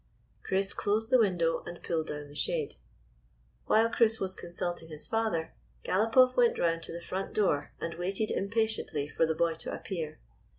Chris closed the window and pulled down the shade. While Chris was consulting his father Galop off went round to the front door and waited impatiently for the boy to appear.